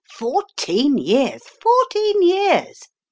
"Fourteen years! Fourteen years!"